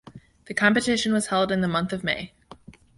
The competition was held in the month of May.